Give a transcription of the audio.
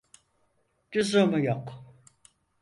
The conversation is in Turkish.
Lüzumu yok.